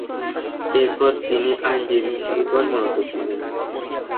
এরপর তিনি আইনজীবী হিসেবে কর্মরত ছিলেন।